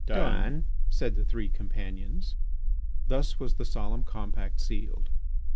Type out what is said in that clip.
"Done!" said the three companions. Thus was the solemn compact sealed.